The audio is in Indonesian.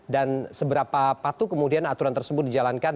dan seberapa patuh kemudian aturan tersebut dijalankan